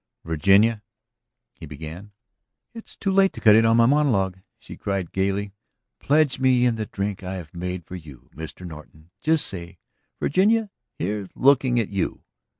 "Virginia," he began. "It's too late to cut in on my monologue!" she cried gayly. "Pledge me in the drink I have made for you, Mr. Norton! Just say: 'Virginia, here's looking at you!'